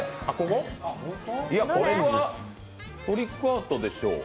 トリックアートでしょう。